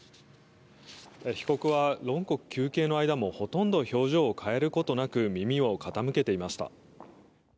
被告は論告求刑の間もほとんど表情を変えることなく耳を傾けていました。